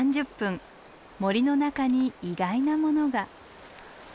森の中に意外なものが。